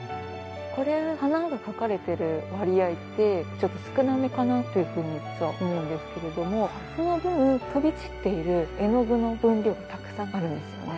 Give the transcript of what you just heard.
これ花が描かれている割合ってちょっと少なめかなっていうふうに実は思うんですけれどもその分飛び散っている絵の具の分量がたくさんあるんですよね。